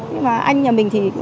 nhưng mà anh nhà mình thì